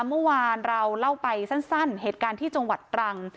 เมื่อวานเราเล่าไปสั้นเหตุการณ์ที่จังหวัดตรัง